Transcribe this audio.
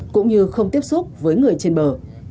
cũng như không tiếp xúc với người trên bờ